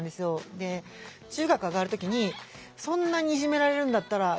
で中学あがる時にそんなにいじめられるんだったらじゃあ